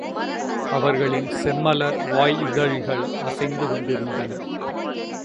அவர்களின் செம்மலர் வாயிதழ்கள் அசைந்து கொண்டிருந்தன.